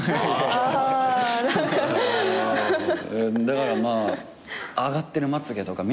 だからまあ上がってるまつげとか。